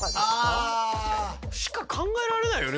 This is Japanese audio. あ。しか考えられないよね